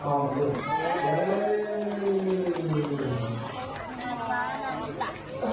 ขอบคุณสามีนะคะขอบคุณพี่ที่ช่วงคุณค่ะ